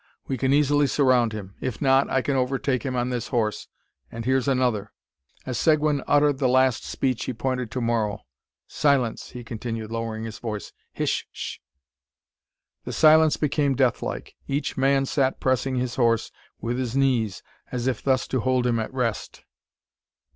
We can easily surround him. If not, I can overtake him on this horse, and here's another." As Seguin uttered the last speech he pointed to Moro. "Silence!" he continued, lowering his voice. "Hish sh!" The silence became death like. Each man sat pressing his horse with his knees, as if thus to hold him at rest.